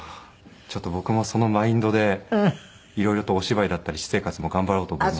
ちょっと僕もそのマインドで色々とお芝居だったり私生活も頑張ろうと思います。